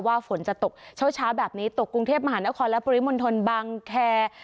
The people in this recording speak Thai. ฝนจะตกเช้าแบบนี้ตกกรุงเทพมหานครและปริมณฑลบางแคร์